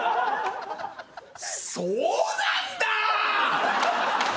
そうなんだ！